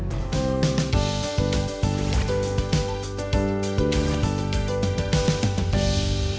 hanya tujuh persen